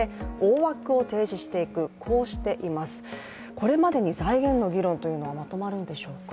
これまでに財源の議論というのはまとまるんでしょうか。